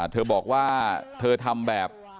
เธอบอกว่าเธอทำแบบ